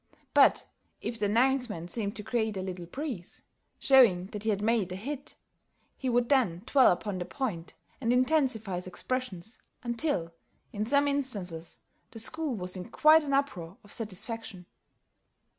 But if the announcement seemed to create a little breeze, showing that he had made a hit, he would then dwell upon the point, and intensify his expressions, until, in some instances, the school was in quite an uproar of satisfaction.